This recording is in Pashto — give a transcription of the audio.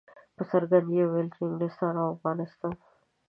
په څرګنده یې ویل چې انګلستان او افغانستان.